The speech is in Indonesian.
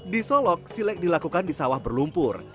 di solok silek dilakukan di sawah berlumpur